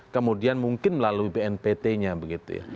kemudian mungkin melalui bnpt nya begitu ya